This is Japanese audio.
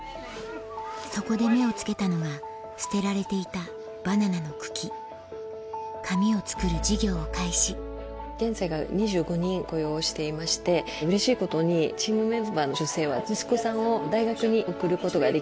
そこで目をつけたのは捨てられていたバナナの茎紙を作る事業を開始していましてうれしいことにチームメンバーの女性は息子さんを大学に送ることができたと。